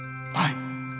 はい。